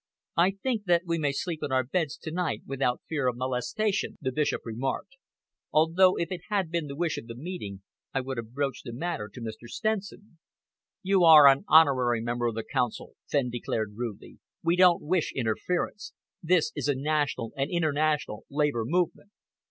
"I think that we may sleep in our beds to night without fear of molestation," the Bishop remarked, "although if it had been the wish of the meeting, I would have broached the matter to Mr. Stenson." "You are an honorary member of the Council," Fenn declared rudely. "We don't wish interference. This is a national and international Labour movement."